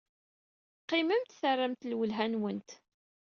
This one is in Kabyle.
Qqimemt terramt lwelha-nwent.